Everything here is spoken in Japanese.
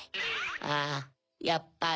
あぁやっぱり。